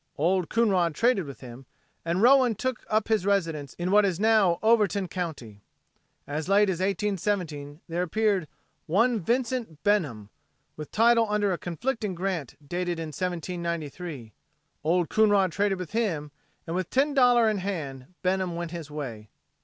Old Coonrod traded with him, and Rowan took up his residence in what is now Overton county. As late as 1817 there appeared "one Vincent Benham" with title under a conflicting grant dated in 1793. Old Coonrod traded with him and with "$10 in hand" Benham went his way.